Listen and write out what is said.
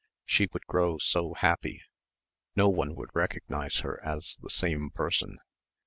She would grow so happy. No one would recognise her as the same person.